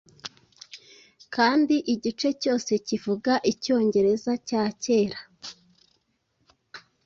kandi igice cyose kivuga icyongereza cyakera